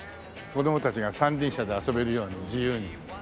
子供たちが三輪車で遊べるように自由に。